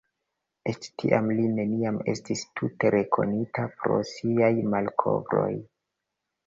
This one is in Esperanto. Eĉ tiam li neniam estis tute rekonita pro siaj malkovroj.